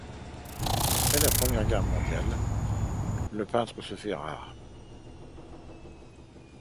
Après la Première Guerre mondiale, le peintre se fait rare.